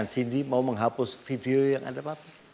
sindi mau menghapus video yang ada papi